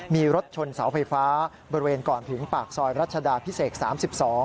มีรถชนเสาไฟฟ้าบริเวณก่อนถึงปากซอยรัชดาพิเศษ๓๒